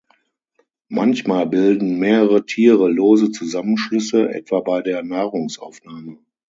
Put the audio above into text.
Manchmal bilden mehrere Tiere lose Zusammenschlüsse, etwa bei der Nahrungsaufnahme.